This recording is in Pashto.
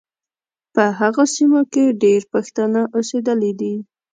په هغو سیمو کې ډېر پښتانه اوسېدلي دي.